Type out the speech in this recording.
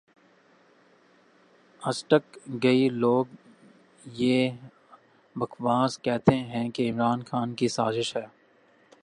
اجتک کئئ لوگ یہ بکواس کہتے ھیں کہ عمران خان کی سازش ھے